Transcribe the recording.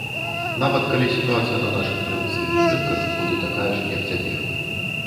Нават калі сітуацыя на нашых традыцыйных рынках будзе такая ж, як цяпер.